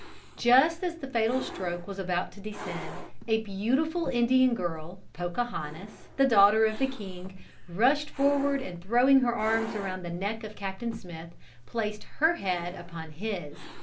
Just as the fatal stroke was about to descend, a beautiful Indian girl, Pocahontas, the daughter of the king, rushed forward and throwing her arms around the neck of Captain Smith, placed her head upon his.